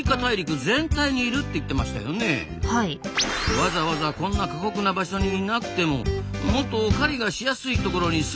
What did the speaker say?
わざわざこんな過酷な場所にいなくてももっと狩りがしやすい所にすめばいいのに。